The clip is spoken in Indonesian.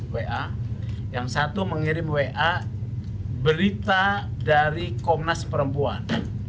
wa yang satu mengirim wa berita dari komnas perempuan